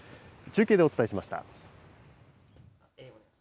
中継でお伝えしました。